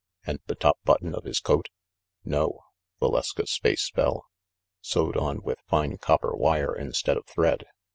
"And the top button of his coat?" "No." Valeska's face fell. "Sewed on with fine copper wire instead of thread.